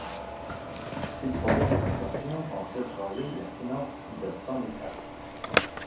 Ses travaux de construction ont surchargé les finances de son État.